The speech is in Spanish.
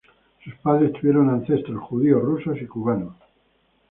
Sus padres tuvieron ancestros judíos rusos y cubanos.